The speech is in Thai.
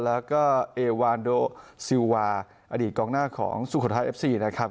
แล้วก็เอวานโดซิลวาอดีตกองหน้าของสุโขทัยเอฟซีนะครับ